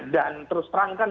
dan terus terangkan